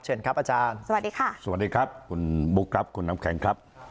เชิญครับอาจารย์สวัสดีค่ะสวัสดีครับคุณบุ๊คครับคุณน้ำแข็งครับ